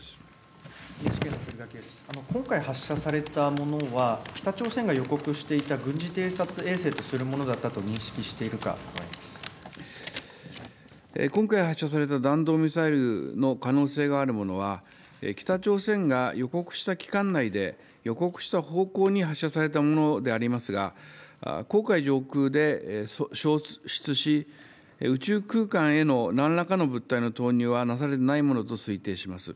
今回発射されたものは、北朝鮮が予告していた軍事偵察衛星とするものだったと認識してい今回発射された弾道ミサイルの可能性があるものは、北朝鮮が予告した期間内で、予告した方向に発射されたものでありますが、黄海上空で消失し、宇宙空間へのなんらかの物体の投入はなされてないものと推定します。